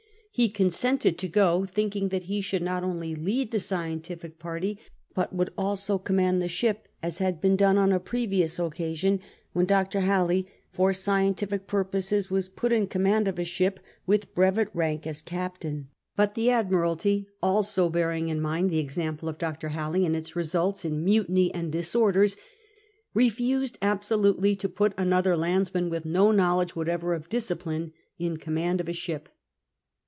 He consented to go, thinking that he should not only lead the scientific party but would also command the ship, as had been done on a previous occasion, when Dr. Halley, for scientific purposes, was put in command of a ship, with brevet rank as captain. But the Admiralty, also bearing in mind the example of Dr. Halley, and its results in mutiny and disorders, refused absolutely to put another landsman, with no knowledge whatever of discipline, in command of a ship.